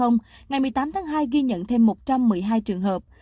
ngày một mươi tám tháng hai ghi nhận thêm một trăm một mươi hai trường hợp